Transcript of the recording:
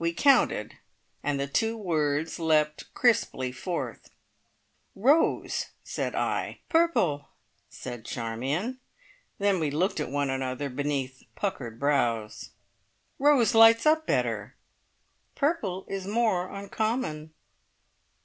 We counted, and the two words leapt crisply forth. "Rose!" said I. "Purple!" said Charmion. Then we looked at one another beneath puckered brows. "Rose lights up better!" "Purple is more uncommon."